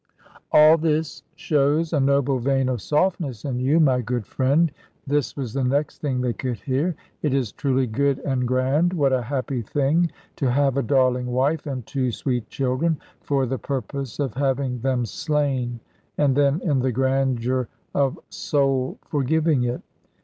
"All this shows a noble vein of softness in you, my good friend" this was the next thing they could hear "it is truly good and grand. What a happy thing to have a darling wife and two sweet children, for the purpose of having them slain, and then in the grandeur of soul forgiving it!